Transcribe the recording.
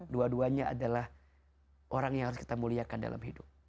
dua duanya adalah orang yang harus kita muliakan dalam hidup